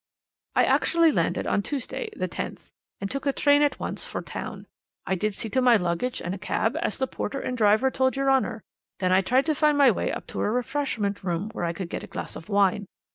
"'I actually landed on Tuesday, the 10th, and took a train at once for town. I did see to my luggage and a cab, as the porter and driver told your Honour; then I tried to find my way to a refreshment room, where I could get a glass of wine.